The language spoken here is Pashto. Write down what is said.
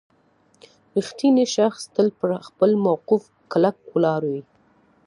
• رښتینی شخص تل پر خپل موقف کلک ولاړ وي.